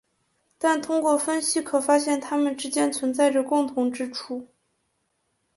但通过分析可发现它们之间存在着共同之处。